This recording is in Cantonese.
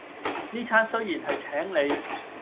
呢餐雖然係你請